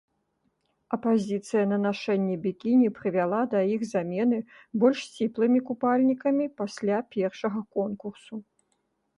Апазіцыя на нашэнне бікіні прывяла да іх замены больш сціплымі купальнікамі пасля першага конкурсу.